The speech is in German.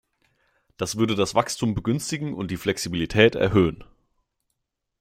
Das würde das Wachstum begünstigen und die Flexibilität erhöhen.